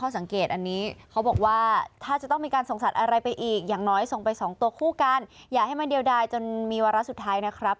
ส่งไป๒ตัวคู่กันอยากให้มันเดียวดายจนมีวาระสุดท้ายนะครับ